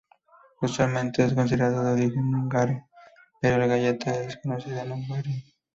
Usualmente es considerado de origen húngaro, pero al galleta es desconocida en Hungría.